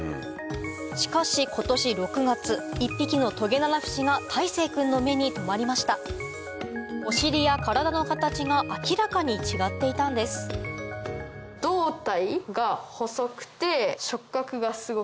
しかし今年６月１匹のトゲナナフシが泰成君の目に留まりましたお尻や体の形が明らかに違っていたんですと思いました。